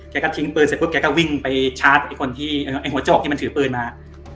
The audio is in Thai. เขาก็ทิ้งปืนแล้วเขาก็วิ่งไปชาร์จไอ้หัวโจกที่มันถือปืนมา